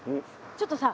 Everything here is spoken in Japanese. ちょっとさ